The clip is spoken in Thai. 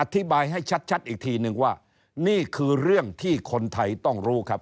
อธิบายให้ชัดอีกทีนึงว่านี่คือเรื่องที่คนไทยต้องรู้ครับ